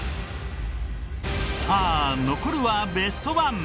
さあ残るはベスト１。